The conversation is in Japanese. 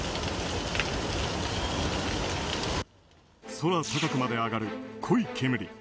空高くまで上がる濃い煙。